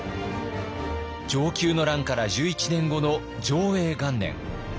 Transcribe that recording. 承久の乱から１１年後の貞永元年。